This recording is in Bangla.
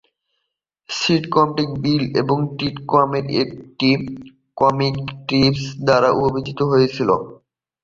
সিটকমটি বিল টিটকমের একটি কমিক স্ট্রিপ দ্বারা অভিযোজিত হয়েছিল।